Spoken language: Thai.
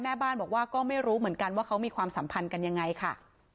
แม่บ้านบอกว่าก็ไม่รู้เหมือนกันว่าเขามีความสัมพันธ์กันยังไงค่ะ